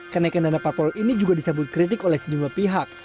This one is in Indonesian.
kenaikan dana parpol ini juga disambut kritik oleh sejumlah pihak